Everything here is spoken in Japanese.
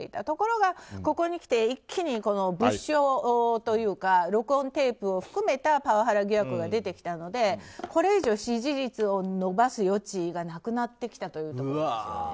ところが、ここにきて一気に物証というか録音テープを含めたパワハラ疑惑が出てきたのでこれ以上、支持率を伸ばす余地がなくなってきたと。